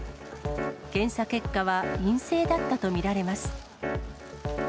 検査結果は陰性だったと見られます。